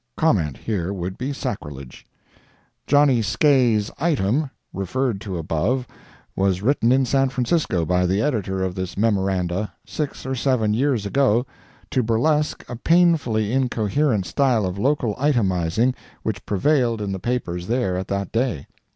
Comment here would be sacrilege. "Johnny Skae's Item," referred to above, was written in San Francisco, by the editor of this MEMORANDA, six or seven years ago, to burlesque a painfully incoherent style of local itemizing which prevailed in the papers there at that day.